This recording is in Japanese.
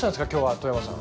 外山さん。